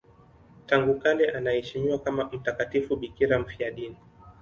Tangu kale anaheshimiwa kama mtakatifu bikira mfiadini.